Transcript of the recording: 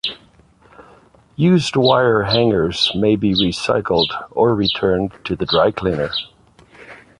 Used wire hangers may be recycled, or returned to the dry cleaner.